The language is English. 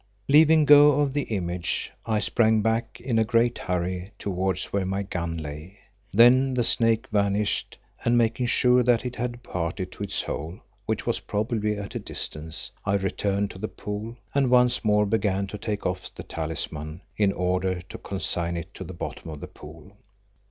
Leaving go of the image, I sprang back in a great hurry towards where my gun lay. Then the snake vanished and making sure that it had departed to its hole, which was probably at a distance, I returned to the pool, and once more began to take off the talisman in order to consign it to the bottom of the pool.